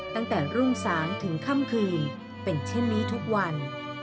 ตั้งแต่รุ่งสางถึงค่ำคืนเป็นเช่นนี้ทุกวัน